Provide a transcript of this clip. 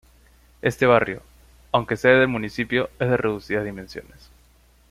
Este barrio, aunque sede del municipio, es de reducidas dimensiones.